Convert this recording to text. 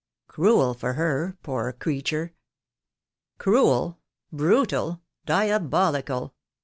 "Cruel for her, poor creature." "Cruel — brutal — diabolical!